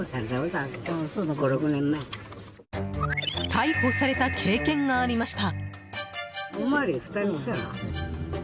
逮捕された経験がありました。